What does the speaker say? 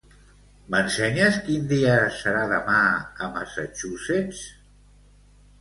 M'ensenyes quin dia serà demà a Massachusetts?